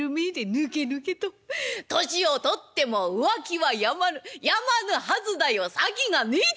『年を取っても浮気はやまぬやまぬはずだよ先がねえ』